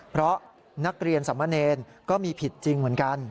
เพราะนักเรียนสมเนรก็มีผิดจริงเหมือนกัน